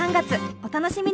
お楽しみに！